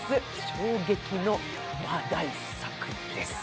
衝撃の話題作です。